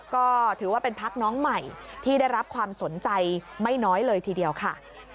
ก็ถือว่าเป็นพักน้องใหม่ที่ได้รับความสนใจไม่น้อยเลยทีเดียวค่ะ